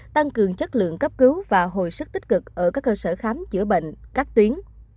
tăng cường chất lượng cấp cứu và hồi sức tích cực ở các cơ sở khám chữa bệnh các tuyến